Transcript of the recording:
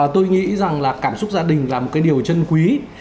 tôi nghĩ rằng là cảm xúc gia đình là một cái điều chân quý